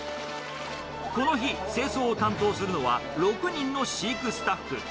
この日、清掃を担当するのは６人の飼育スタッフ。